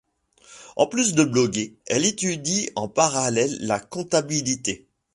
En plus de bloguer, elle étudie en parallèle la comptabilité.